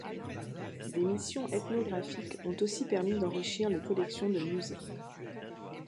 Des missions ethnographiques ont aussi permis d'enrichir les collections de musées.